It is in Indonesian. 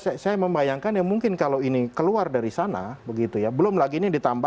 saya membayangkan ya mungkin kalau ini keluar dari sana begitu ya belum lagi ini ditambah